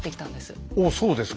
おっそうですか。